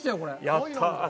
やったあ。